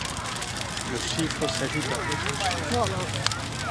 le chiffre s’ajoute à un autre chiffre